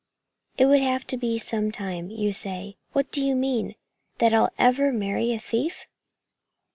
It would have to be sometime, you say. What do you mean? That I'd ever marry a thief?"